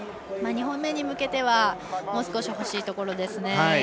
２本目に向けてはもう少しほしいところです。